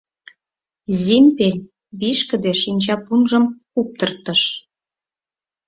Зимпель вишкыде шинчапунжым куптыртыш.